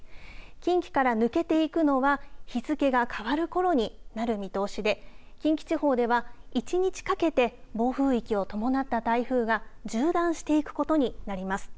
近畿から抜けていくのは日付が変わるころになる見通しで近畿地方では一日かけて暴風域を伴った台風が縦断していくことになります。